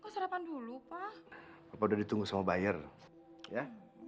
serapan dulu pak udah ditunggu sama bayar ya